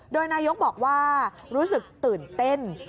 โดยนายกบอกว่ารู้สึกตื่นเต้น